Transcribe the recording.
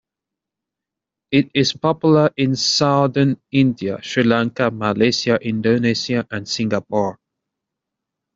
It is popular in southern India, Sri Lanka, Malaysia, Indonesia, and Singapore.